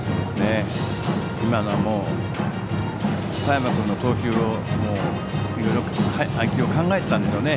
今のも佐山君の投球をいろいろ配球を考えていたんでしょうね。